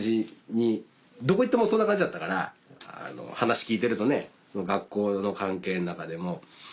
どこ行ってもそんな感じだったから話聞いてるとね学校の関係の中でも。